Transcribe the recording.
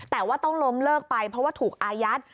แต่ว่าต้องล้มเลิกไปเพราะว่าถูกอายัด